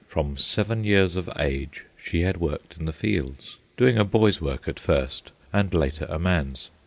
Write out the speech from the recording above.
From seven years of age she had worked in the fields, doing a boy's work at first, and later a man's.